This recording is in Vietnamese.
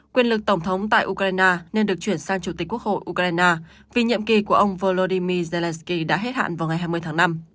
quyền lực tổng thống tại ukraine nên được chuyển sang chủ tịch quốc hội ukraine vì nhiệm kỳ của ông volodymyr zelensky đã hết hạn vào ngày hai mươi tháng năm